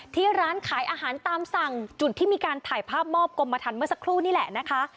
ที่ร้านขายอาหารตามสั่งจุดที่มีการถ่ายภาพมอบกรมทันเมื่อสักครู่นี่แหละนะคะ